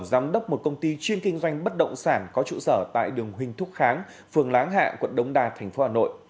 tổng giám đốc một công ty chuyên kinh doanh bất động sản có trụ sở tại đường huynh thúc kháng phường láng hạ quận đống đà thành phố hà nội